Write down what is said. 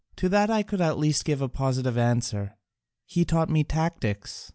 To that I could at last give a positive answer: 'He taught me tactics.'